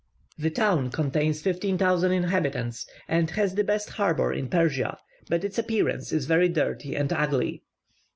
The town contains 15,000 inhabitants, and has the best harbour in Persia; but its appearance is very dirty and ugly.